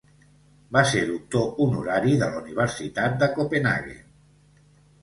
Va ser doctor honorari de la Universitat de Copenhaguen.